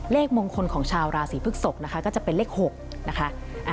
เลขมงคลของชาวราศีพฤกษกนะคะก็จะเป็นเลข๖นะคะ